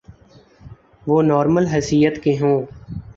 وہ نارمل حیثیت کے ہوں۔